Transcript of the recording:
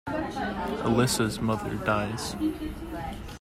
Alicia's mother dies.